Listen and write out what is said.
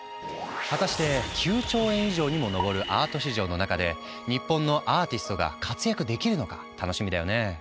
果たして９兆円以上にも上るアート市場の中で日本のアーティストが活躍できるのか楽しみだよね。